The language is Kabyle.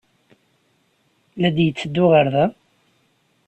La d-yetteddu ɣer da?